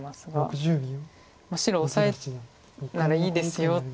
「白オサエならいいですよ」って。